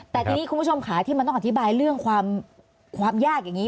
แต่ทีนี้คุณผู้ชมค่ะที่มันต้องอธิบายเรื่องความยากอย่างนี้